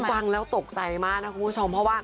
รู้สึกว่าตกใจมากนะคุณผู้ชม